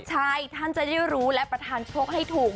ใช่ท่านจะได้รู้และประธานโชคให้ถูก